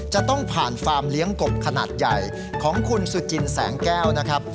จะต้องผ่านฟาร์มเลี้ยงกบขนาดใหญ่ของคุณสุจินแสงแก้วนะครับ